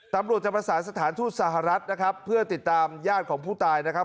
ตำรวจจะประสานสถานทูตสหรัฐนะครับเพื่อติดตามญาติของผู้ตายนะครับ